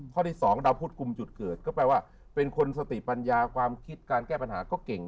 ที่สองดาวพุทธกลุ่มจุดเกิดก็แปลว่าเป็นคนสติปัญญาความคิดการแก้ปัญหาก็เก่ง